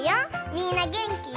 みんなげんき？